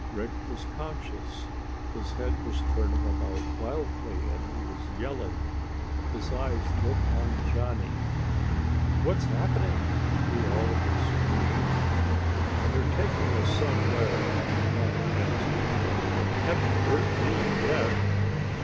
Rick was conscious. His head was turning about wildly and he was yelling. His eyes lit on Johnny. "What's happening?" he all but screamed. "They're taking us somewhere," Johnny answered. "They haven't hurt me yet."